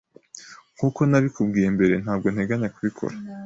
Nkuko nabikubwiye mbere, ntabwo nteganya kubikora.